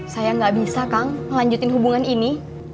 saya gak bisa kang melanjutin hubungan ini